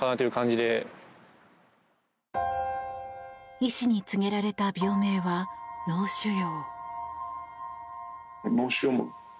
医師に告げられた病名は脳腫瘍。